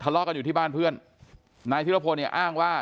เลาะกันอยู่ที่บ้านเพื่อนนายธิรพลเนี่ยอ้างว่า